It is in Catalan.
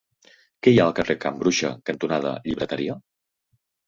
Què hi ha al carrer Can Bruixa cantonada Llibreteria?